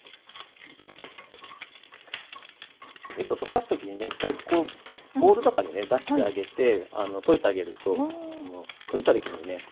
みそ溶かす時にね１回こうボウルとかにね出してあげて溶いてあげると溶いた時にね